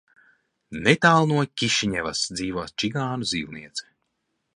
Netālu no Kišiņevas dzīvo čigānu zīlniece.